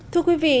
thưa quý vị